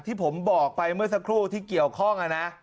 ที่ผมบอกไปเมื่อสักครู่ที่เกี่ยวข้องนะ